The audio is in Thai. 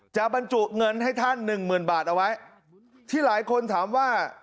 บรรจุเงินให้ท่านหนึ่งหมื่นบาทเอาไว้ที่หลายคนถามว่า